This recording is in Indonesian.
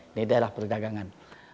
ini adalah perdagangan